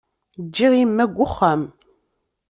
Ǧǧiɣ imma deg uxxam.